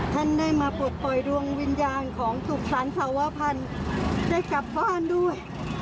ท่านได้มาปลดปล่อยดวงวิญญาณของสุขสรรควพันธ์ได้กลับบ้านด้วย